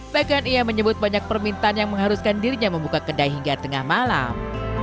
bahkan ia menyebut banyak permintaan yang mengharuskan dirinya membuka kedai hingga tengah malam